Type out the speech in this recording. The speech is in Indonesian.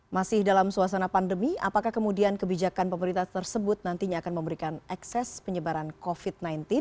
masih dalam suasana pandemi apakah kemudian kebijakan pemerintah tersebut nantinya akan memberikan ekses penyebaran covid sembilan belas